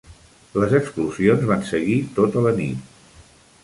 Les explosions van seguir tota la nit.